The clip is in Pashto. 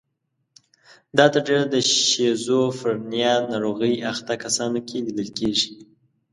دا تر ډېره د شیزوفرنیا ناروغۍ اخته کسانو کې لیدل کیږي.